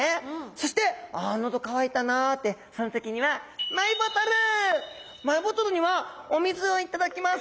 そして「あ喉渇いたな」ってその時にはマイボトルにはお水を頂きます。